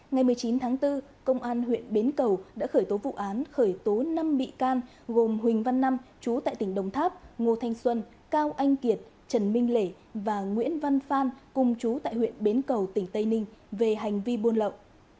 ngày một mươi chín tháng bốn công an huyện bến cầu đã khởi tố vụ án khởi tố năm bị can gồm huỳnh văn năm chú tại tỉnh đồng tháp ngô thanh xuân cao anh kiệt trần minh lễ và nguyễn văn phan cùng chú tại huyện bến cầu tỉnh tây ninh về hành vi buôn lậu